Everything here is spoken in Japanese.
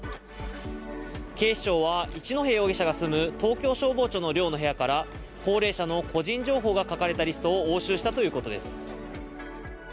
警視庁は、一戸容疑者が住む東京消防庁の寮の部屋から高齢者の個人情報が書かれたリストを押収したということです。